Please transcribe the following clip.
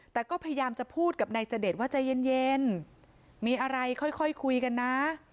แต่ก็พยายามจะพูดกับนายเจดว่าใจเย็นมีอะไรค่อยคุยกันนะ